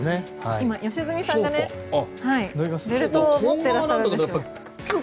今、良純さんがベルトを持ってらっしゃいます。